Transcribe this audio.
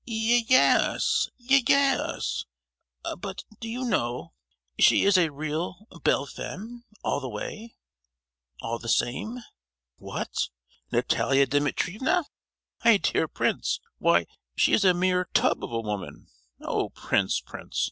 "Ye—yes, ye—yes! but, do you know, she is a real 'belle femme' all the same!" "What! Natalia Dimitrievna? My dear prince; why, she is a mere tub of a woman! Oh! prince, prince!